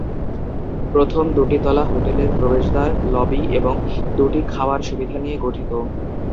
প্রথম দুটি তলা হোটেলের প্রবেশদ্বার, লবি এবং দুটি খাওয়ার সুবিধা নিয়ে গঠিত।